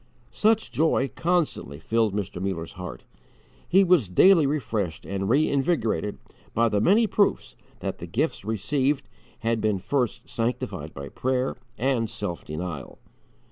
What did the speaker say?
Such joy constantly filled Mr. Muller's heart. He was daily refreshed and reinvigorated by the many proofs that the gifts received had been first sanctified by prayer and self denial.